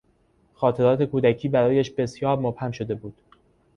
خاطرات کودکی برایش بسیار مبهم شده بود.